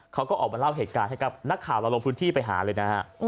เขาก็ออกมาเล่าเหตุการณ์ให้กับนักข่าวเราลงพื้นที่ไปหาเลยนะฮะ